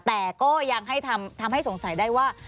แต่ก็ยังให้ทำให้สงสัยได้ว่า